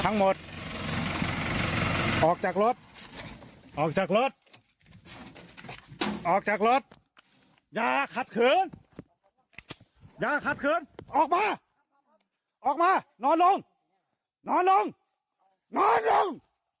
นอนลงนอนลงนอนลง